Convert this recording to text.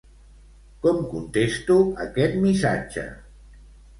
Com contesto aquest missatge?